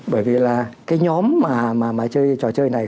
bởi vì là cái nhóm mà chơi trò chơi này